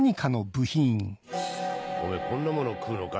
おめぇこんなもの食うのか？